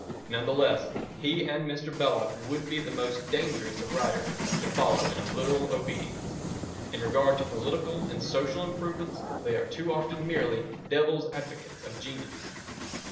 None the less, he and Mr. Belloc would be the most dangerous of writers to follow in a literal obedience. In regard to political and social improvements, they are too often merely Devil's Advocates of genius.